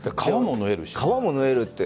革も縫えるって。